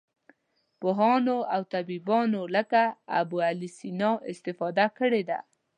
پوهانو او طبیبانو لکه ابوعلي سینا استفاده کړې ده.